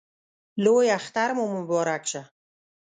لوی اختر مو مبارک شه